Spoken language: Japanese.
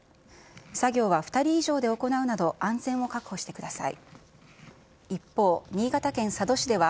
作業は２人以上で行うなど、安全を確保してください。